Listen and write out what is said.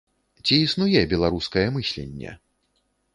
Ці існуе беларускае мысленне?